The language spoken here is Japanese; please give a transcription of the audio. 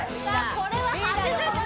これは８０点！